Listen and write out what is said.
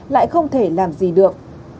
lại không thể làm gì được